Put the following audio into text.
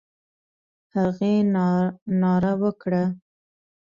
هغې ناره وکړه: